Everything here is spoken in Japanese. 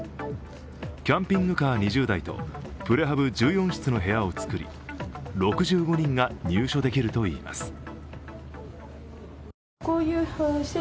キャンピングカー２０台とプレハブ１４室の部屋を作り６５人が入所できるといいます。